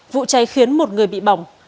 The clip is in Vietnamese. vụ cháy khiến một người bị bỏng